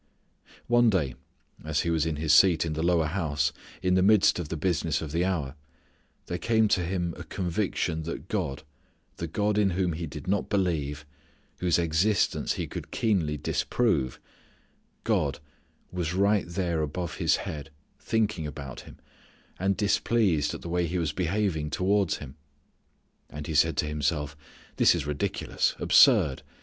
One day as he was in his seat in the lower house, in the midst of the business of the hour, there came to him a conviction that God the God in whom he did not believe, whose existence he could keenly disprove God was right there above his head thinking about him, and displeased at the way he was behaving towards Him. And he said to himself: "this is ridiculous, absurd.